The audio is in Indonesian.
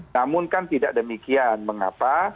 namun kan tidak demikian mengapa